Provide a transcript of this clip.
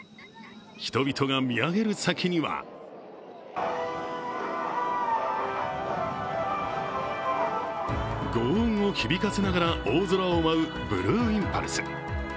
人々が見上げる先にはごう音を響かせながら大空を舞うブルーインパルス。